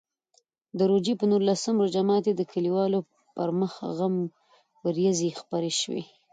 د روژې په نولسم روژه ماتي د کلیوالو پر مخ غم وریځې خپرې شوې.